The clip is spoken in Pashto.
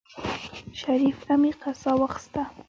شريف عميقه سا واخيسته.